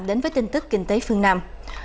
đến với tin tức kinh tế phương nam